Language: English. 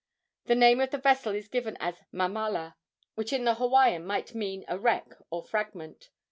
The name of the vessel is given as Mamala, which in the Hawaiian might mean a wreck or fragment.